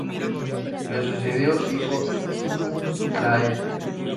Le sucedió su hijo Sumu-la-El.